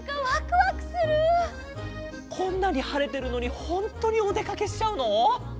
こんなにはれてるのにホントにおでかけしちゃうの？